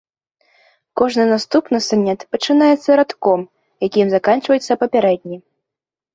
Кожны наступны санет пачынаецца радком, якім заканчваецца папярэдні.